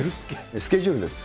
スケジュールです。